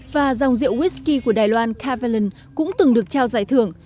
và dòng rượu whisky của đài loan kavaland cũng từng được trao giải thưởng